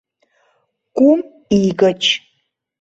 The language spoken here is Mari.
Кум ий гыч.